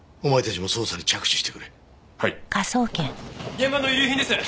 現場の遺留品です。